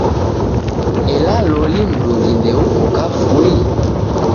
Ela loli mndungi ndeuko kavui?